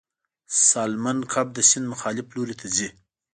سالمن کب د سیند مخالف لوري ته ځي